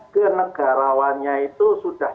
kenegarawannya itu sudah